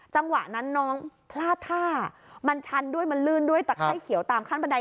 จังหวะนั้นน้องพลาดท่ามันชันด้วยมันลื่นด้วยตะไข้เขียวตามขั้นบันได